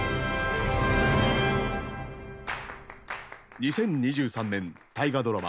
２０２３年大河ドラマ